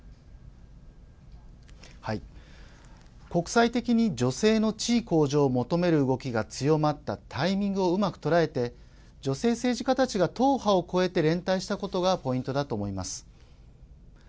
国際的に女性の地位向上を求める動きが強まったタイミングをうまく捉えて女性政治家たちが党派を超えて連帯したことがポイントだと思います。